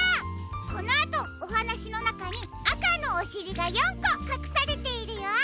このあとおはなしのなかにあかのおしりが４こかくされているよ。